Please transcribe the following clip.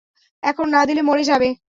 এখন না দিলে মরে যাবে।